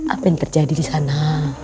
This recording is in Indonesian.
apa yang terjadi disana